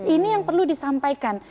ini yang perlu disampaikan